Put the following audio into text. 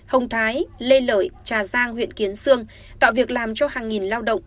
hồng thái lê lợi trà giang huyện kiến sương tạo việc làm cho hàng nghìn lao động